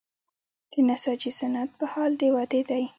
د نساجي صنعت په حال د ودې دی